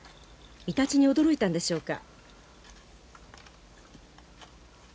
イタチに驚いたんでしょうか？